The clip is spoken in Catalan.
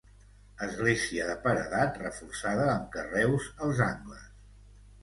Església de paredat reforçada amb carreus als angles.